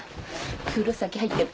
風呂先入ってやる。